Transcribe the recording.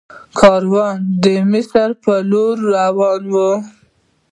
کاروان د مصر په لور روان وي.